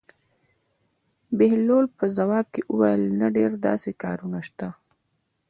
بهلول په ځواب کې وویل: نه ډېر داسې کارونه شته.